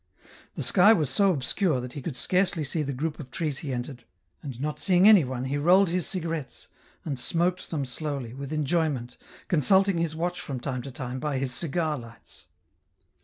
The sky was so obscure that he could scarcely see the group of trees he entered, and not seeing anyone he rolled his cigarettes, and smoked them slowly, with enjoyment, consulting his watch from time to time by his cigar lights.